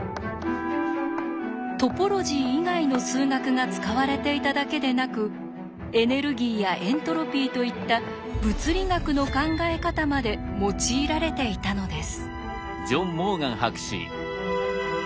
トポロジー以外の数学が使われていただけでなくエネルギーやエントロピーといった「物理学」の考え方まで用いられていたのです。